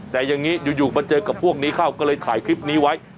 แต่อย่างนี้อยู่มาเจอกับพวกนี้เข้าก็เลยถ่ายคลิปนี้ไว้